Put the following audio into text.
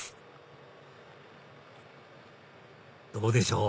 どうでしょう？